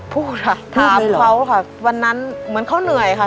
พูดค่ะถามเขาค่ะวันนั้นเหมือนเขาเหนื่อยค่ะ